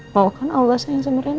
mau kan allah sayang sama rena